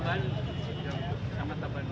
kalau sudah saat